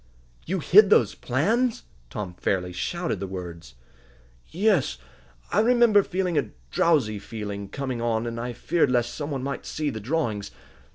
"You hid those plans!" Tom fairly shouted the words. "Yes, I remember feeling a drowsy feeling coming on, and I feared lest some one might see the drawings.